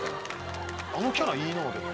あのキャラいいなあでも。